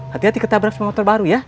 hati hati ketabrak semua motor baru ya